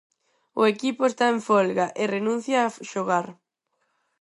O equipo está en folga e renuncia a xogar.